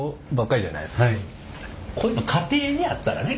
こういうの家庭にあったらね。